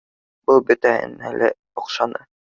Был бөтәһенә лә оҡшаны